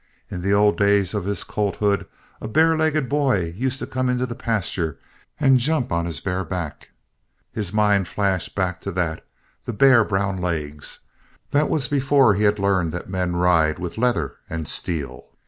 In the old days of his colthood, a barelegged boy used to come into the pasture and jump on his bare back. His mind flashed back to that the bare, brown legs. That was before he had learned that men ride with leather and steel.